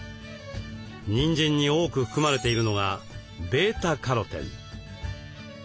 にんじんに多く含まれているのがβカロテン。